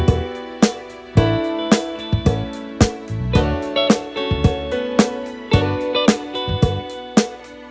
โอเคขอบคุณครับ